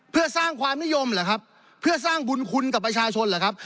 เพื่อสร้างความนิยมเหรอครับเพื่อสร้างบุญคุณกับประชาชนเหรอครับ